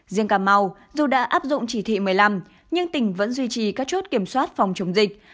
riêng cà mau dù đã áp dụng chỉ thị một mươi năm nhưng tỉnh vẫn duy trì các chốt kiểm soát phòng chống dịch